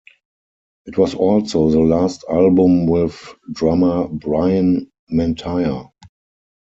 It was also the last album with drummer Bryan Mantia.